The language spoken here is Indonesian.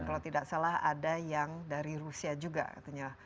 kalau tidak salah ada yang dari rusia juga katanya